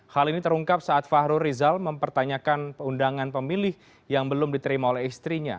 hal ini terungkap saat fahru rizal mempertanyakan perundangan pemilih yang belum diterima oleh istrinya